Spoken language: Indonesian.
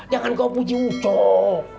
jangan kau puji ucok